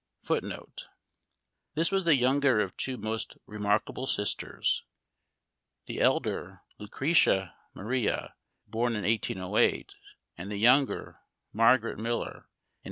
t This was the younger of two most remarkable sisters — the elder, Lucretia Maria, born in 1808, and the younger, Margaret Miller, in 1823.